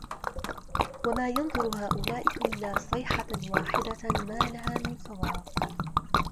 وَما يَنظُرُ هؤُلاءِ إِلّا صَيحَةً واحِدَةً ما لَها مِن فَواقٍ